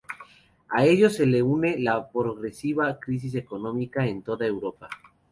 A ello se le une la progresiva crisis económica en toda Europa.